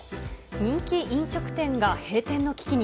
人気飲食店が閉店の危機に。